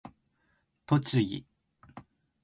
栃木